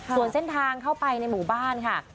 ส่วนเส้นทางเข้าไปในหมู่บ้านค่ะ